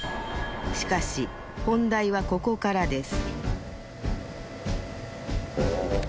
しかし本題はここからです